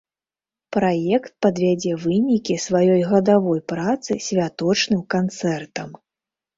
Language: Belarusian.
Праект падвядзе вынікі сваёй гадавой працы святочным канцэртам.